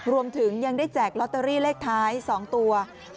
รวมถึงยังได้แจกลอตเตอรี่เลขท้าย๒ตัว